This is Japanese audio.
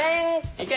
いけ！